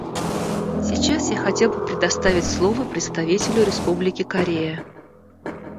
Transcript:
Сейчас я хотел бы предоставить слово представителю Республики Корея.